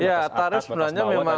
ya tarif sebenarnya memang